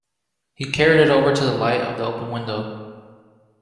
He carried it over to the light of the open window.